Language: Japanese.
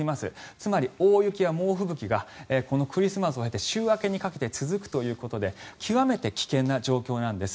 つまり、大雪や猛吹雪がクリスマスを経て週明けにかけて続くということで極めて危険な状況なんです。